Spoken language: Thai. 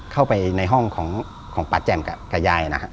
เข้าไปในห้องของป๊าแจ่มกับยาย